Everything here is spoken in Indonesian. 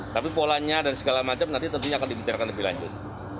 tapi polanya dan segala macam nanti tentunya akan dibicarakan lebih lanjut